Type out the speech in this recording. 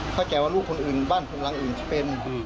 เข้าใจว่าลูกคนอื่นบ้านผมหลังอื่นจะเป็น